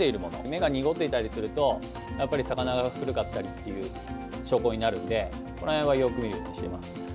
目が濁っていたりするとやっぱり魚が古かったりっていう証拠になるんで、その辺はよく見るようにしています。